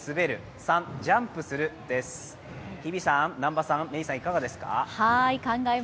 日比さん、南波さん、メイさん、いかがですか？